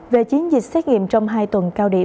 về chiến dịch xét nghiệm trong hai tuần cao điểm